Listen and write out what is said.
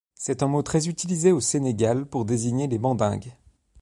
C'est un mot très utilisé au Sénégal pour désigner les Mandingues.